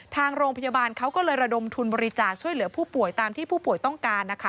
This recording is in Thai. ทางโรงพยาบาลเขาก็เลยระดมทุนบริจาคช่วยเหลือผู้ป่วยตามที่ผู้ป่วยต้องการนะคะ